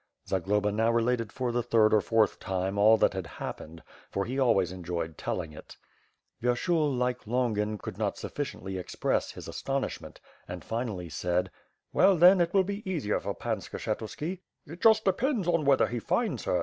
Zagloba now related for the third or fourth time all that had happened; for he always enjoyed telling it. Vyershul, like Longin, could not sufficiently express his astonishment, and finally said: "Well, then, it will be easier for Pan Skshetuski." "It just depends on whether he finds her.